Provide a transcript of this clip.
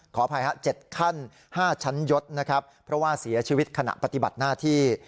ขออภัย๗ขั้น๕ชั้นยกเพราะว่าเสียชีวิตขนาดปฏิบัติหน้าที่